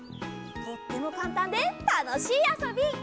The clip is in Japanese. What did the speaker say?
とってもかんたんでたのしいあそび。